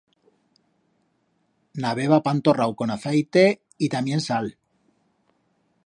N'habeba pan torrau con aceite y tamién sal.